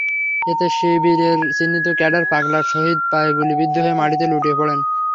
এতে শিবিরের চিহ্নিত ক্যাডার পাগলা শহীদ পায়ে গুলিবিদ্ধ হয়ে মাটিতে লুটিয়ে পড়েন।